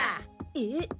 えっ？